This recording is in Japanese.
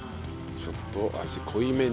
ちょっと味濃いめに。